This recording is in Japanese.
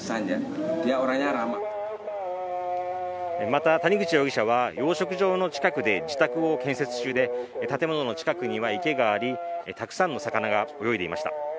また、谷口容疑者は養殖場の近くで自宅を建設中で、建物の近くには池がありたくさんの魚が泳いでいました。